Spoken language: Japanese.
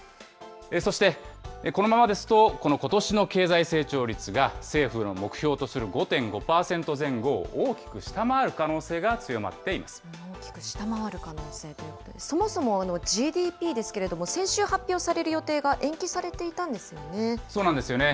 そして、このままですと、このことしの経済成長率が、政府の目標とする５．５％前後を大きく下回る可能性が強まってい大きく下回る可能性ということで、そもそもＧＤＰですけれども、先週発表される予定が延期さそうなんですよね。